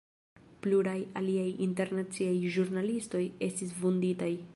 Pluraj aliaj internaciaj ĵurnalistoj estis vunditaj.